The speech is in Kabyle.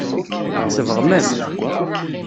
Tsebɣem-as-t.